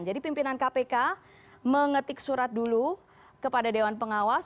jadi pimpinan kpk mengetik surat dulu kepada dewan pengawas